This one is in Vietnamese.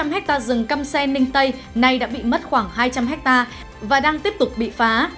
sáu trăm linh ha rừng căm xe ninh tây nay đã bị mất khoảng hai trăm linh ha và đang tiếp tục bị phá